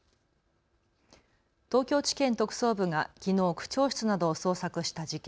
東京地検特捜部がきのう区長室などを捜索した事件。